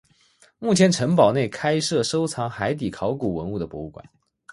目前城堡内开设收藏海底考古文物的博物馆。